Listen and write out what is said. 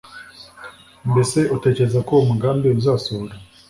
ese utekereza ko uwo mugambi uzasohora